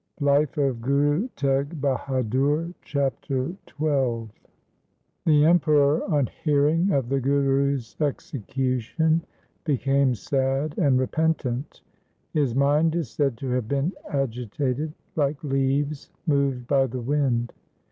1675). C C2 388 THE SIKH RELIGION Chapter XII The Emperor on hearing of the Guru's execution became sad and repentant. His mind is said to have been agitated like leaves moved by the wind.